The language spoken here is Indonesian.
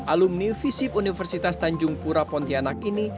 alumni visip universitas tanjung pura pontianak ini